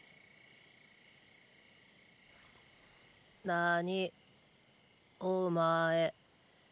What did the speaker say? なにお前。